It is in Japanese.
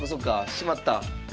しまった。